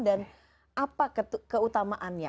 dan apa keutamaannya